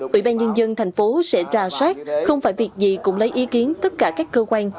ủy ban nhân dân thành phố sẽ ra soát không phải việc gì cũng lấy ý kiến tất cả các cơ quan